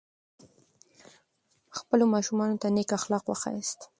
خپلو ماشومانو ته نیک اخلاق وښایاست.